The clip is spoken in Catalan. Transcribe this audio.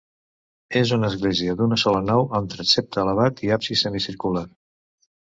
És una església d'una sola nau amb transsepte elevat i absis semicircular.